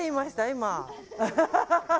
今。